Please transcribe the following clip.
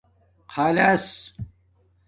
خلاص